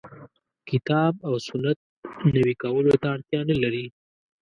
کتاب او سنت نوي کولو ته اړتیا نه لري.